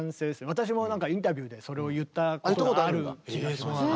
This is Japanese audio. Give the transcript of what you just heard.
私もなんかインタビューでそれを言ったことがある気がします。